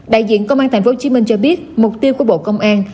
đại diện công an tp hcm cho biết mục tiêu của bộ công an